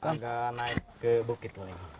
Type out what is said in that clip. nggak naik ke bukit